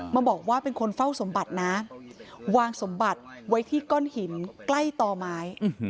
มาบอกว่าเป็นคนเฝ้าสมบัตินะวางสมบัติไว้ที่ก้อนหินใกล้ต่อไม้